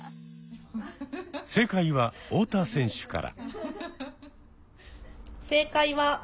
正解は太田選手から。